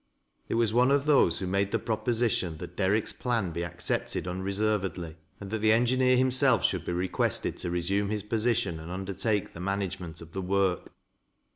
It was one of these who made the proposition that Dec rick's plan be accepted unreservedly, and that the engiueei himself should be requested to resume his position and undertake the management of the work.